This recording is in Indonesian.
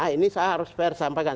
ini saya harus fair sampaikan